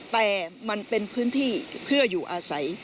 แต่มันเป็นพื้นที่เพื่ออยู่อาศัย